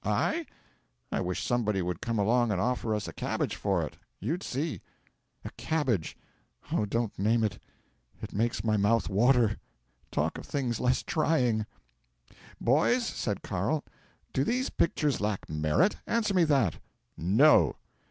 '"I? I wish somebody would come along and offer us a cabbage for it you'd see!" '"A cabbage! Oh, don't name it it makes my mouth water. Talk of things less trying." '"Boys," said Carl, "do these pictures lack merit? Answer me that." '"No!"